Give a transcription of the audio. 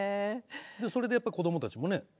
それでやっぱこどもたちもね